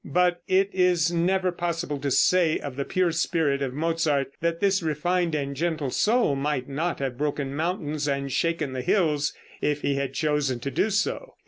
But it is never possible to say of the pure spirit of Mozart, that this refined and gentle soul might not have broken mountains and shaken the hills if he had chosen to do so.